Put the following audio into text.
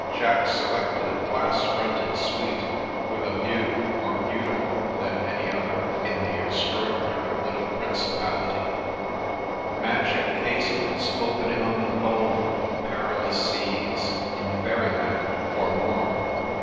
Jack selected a glass fronted suite, with a view more beautiful than any other in the extraordinary little principality: '* Magic casements Opening on the foam of perilous seas In faSry lands forlorn."